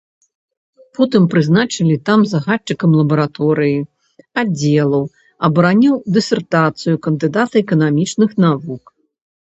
Потым прызначылі там загадчыкам лабараторыі, аддзелу, абараніў дысертацыю кандыдата эканамічных навук.